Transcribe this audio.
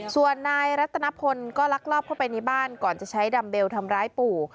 ส่วนนายรัตนพลก็ลักลอบเข้าไปในบ้านก่อนจะใช้ดัมเบลทำร้ายปู่